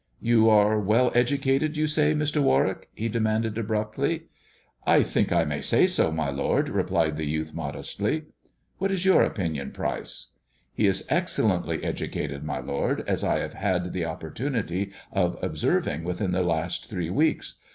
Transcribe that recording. "You are well educated, you say, Mr. Warwick?" he demanded abruptly. "I think I may say so, my lord," replied the youth modestly. " What is your opinion, Pryce 1 "" He is excellently educated, my lord, as I have had the opportunity of observing within the last three weeks.